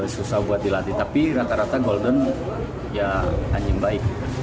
susah buat dilatih tapi rata rata golden ya anjing baik